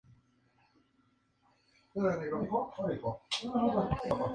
Se cree que fue una fundación dominica.